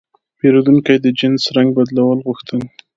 پیرودونکی د جنس رنګ بدلول غوښتل.